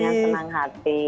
dengan senang hati